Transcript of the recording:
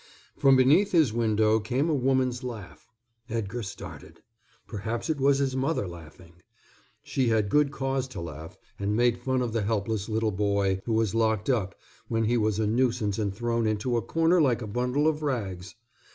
From beneath his window came a woman's laugh. Edgar started. Perhaps it was his mother laughing. She had good cause to laugh and make fun of the helpless little boy who was locked up when he was a nuisance and thrown into a corner like a bundle of rags.